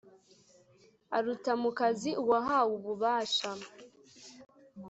aruta mu kazi uwahawe ububasha;